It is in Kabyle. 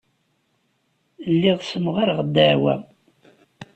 Lliɣ ssemɣareɣ ddeɛwa.